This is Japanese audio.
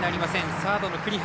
サードの栗原。